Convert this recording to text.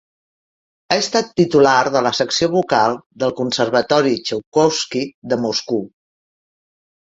Ha estat titular de la Secció Vocal del Conservatori Txaikovski de Moscou.